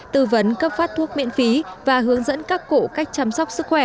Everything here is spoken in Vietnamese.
tư vấn cấp phát thuốc miễn phí và hướng dẫn các cụ cách chăm sóc sức khỏe